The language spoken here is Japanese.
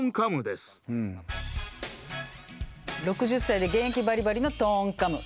６０歳で現役バリバリのトーンカム。